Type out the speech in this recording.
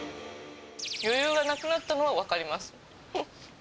余裕がなくなったのは分かります。